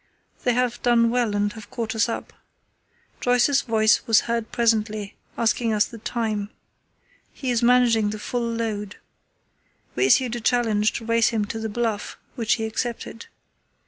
They have done well and have caught us up. Joyce's voice was heard presently, asking us the time. He is managing the full load. We issued a challenge to race him to the Bluff, which he accepted.